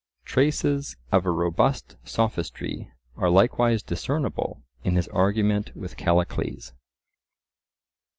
Traces of a "robust sophistry" are likewise discernible in his argument with Callicles.